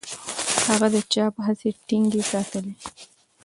هغه د چاپ هڅې ټینګې ساتلې.